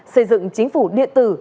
xây dựng chính phủ địa tử